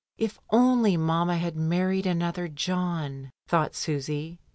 If only mamma had married another John, thought Susy.